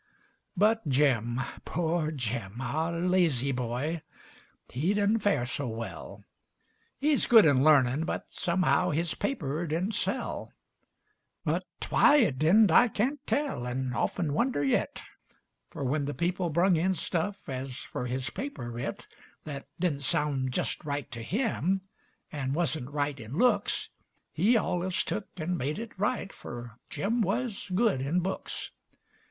But Jim poor Jim! our lazy boy He did'nt fare so well; He's good in larnin', but, somehow, His paper didn't sell. But why it didn't I can't tell, And of'n wonder yit; Fer when the people brung in stuff As fer his paper writ Thet didn't sound jest right to him, And wuzn't right in looks, He allus tuk and made it right, Fer Jim wuz good in books.